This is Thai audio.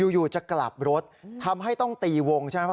อยู่จะกลับรถทำให้ต้องตีวงใช่ไหม